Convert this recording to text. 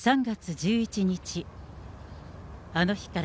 ３月１１日。